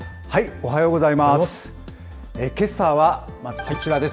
おはようございます。